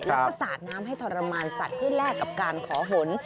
แล้วก็สาดน้ำให้ทรมานสัตว์เพื่อแลกกับการขอฝน